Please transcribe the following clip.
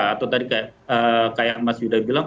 atau tadi kayak mas yuda bilang